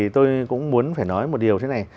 tôi cũng muốn phải nói một điều thế này